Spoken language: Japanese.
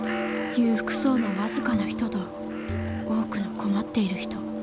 裕福そうな僅かな人と多くの困っている人。